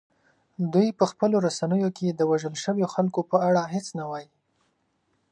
دوی په خپلو رسنیو کې د وژل شویو خلکو په اړه هیڅ نه وايي